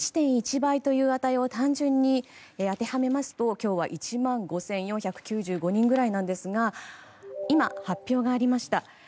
１．１倍という値を単純に当てはめますと今日は１万５４９５人くらいなんですが今、発表がありました。